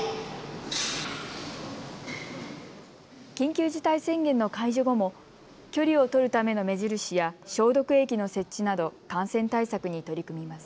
緊急事態宣言の解除後も距離を取るための目印や消毒液の設置など感染対策に取り組みます。